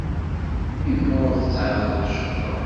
Imɣur tetɛeqqleḍ ciṭuḥ.